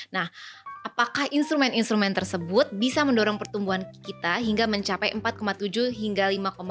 nah apakah instrumen instrumen tersebut bisa mendorong pertumbuhan kita hingga mencapai empat tujuh hingga lima empat